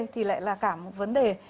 thì lại là cả một vấn đề